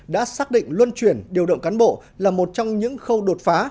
đã xác định luân chuyển điều động cán bộ là một trong những khâu đột phá